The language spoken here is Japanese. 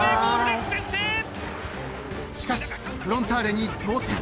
［しかしフロンターレに同点］